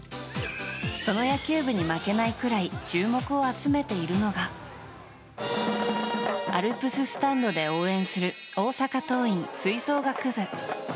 その野球部に負けないくらい注目を集めているのがアルプススタンドで応援する大阪桐蔭吹奏楽部。